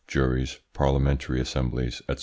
(juries, parliamentary assemblies, &c.).